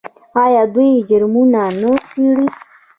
آیا دوی جرمونه نه څیړي؟